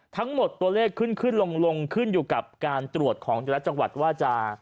ทั้งหมดตัวเลขขึ้นขึ้นลงขึ้นอยู่กับการตรวจของแต่ละจังหวัดว่าจะ